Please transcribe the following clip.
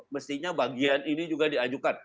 mestinya bagian ini juga diajukan